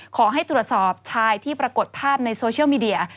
ขอให้ตรวจสอบชายที่ปรากฏภาพในโซเชียลมีเดีย